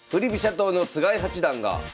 党の菅井八段が藤井叡